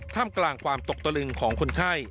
กลางความตกตะลึงของคนไข้